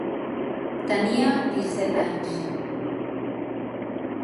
Tenia disset anys.